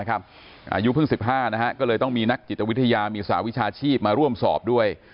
อายุเพิ่ง๑๕ก็เลยต้องมีนักจิตวิทยามีสหวิชาชีพมาร่วมสอบด้วย